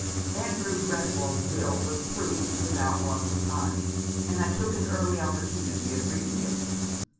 Andrew Greswold's will was proved without loss of time, and I took an early opportunity of reading it.